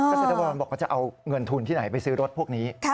เกษตรกรบอกว่าจะเอาเงินทุนที่ไหนไปซื้อรถพวกนี้